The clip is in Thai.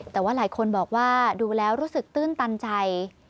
แต่ว่าหลายคนบอกว่าดูแล้วรู้สึกตื้นตันใจ